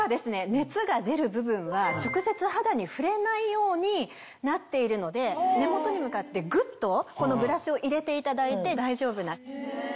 熱が出る部分は直接肌に触れないようになっているので根元に向かってグッとこのブラシを入れていただいて大丈夫な。